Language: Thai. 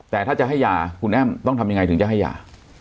แต่ถ้าจะให้ยาคุณแอ้มต้องทำยังไงถึงจะให้ยา